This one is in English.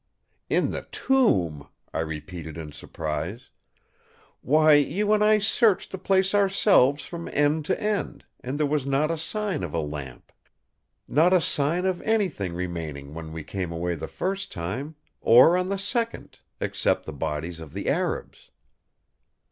"'In the tomb!' I repeated in surprise. 'Why you and I searched the place ourselves from end to end; and there was not a sign of a lamp. Not a sign of anything remaining when we came away the first time; or on the second, except the bodies of the Arabs.